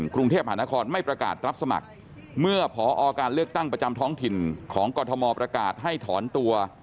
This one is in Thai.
กรุงเทพหานครไม่ประกาศรับสมัครเมื่อพอการเลือกตั้งประจำท้องถิ่นของกรทมประกาศให้ถอนตัว